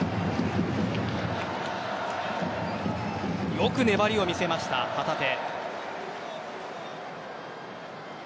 よく粘りを見せました、旗手。